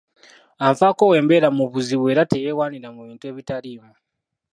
Anfaako bwe mbeera mu buzibu era teyewaanira mu bintu ebitaliimu.